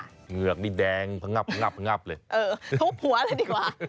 เหงือกดิแดงเพราะงับงับงับเลยเออเธอครบหัวแล้วดีกว่า